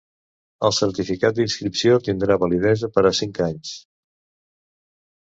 El certificat d'inscripció tindrà validesa per a cinc anys.